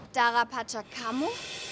dara pacar kamu